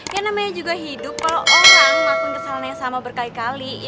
ya namanya juga hidup kalo orang ngakuin kesalahan yang sama berkaitan dengan kita